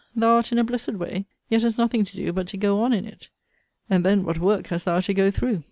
thou art in a blessed way; yet hast nothing to do but to go on in it: and then what work hast thou to go through!